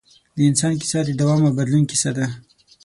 د انسان کیسه د دوام او بدلون کیسه ده.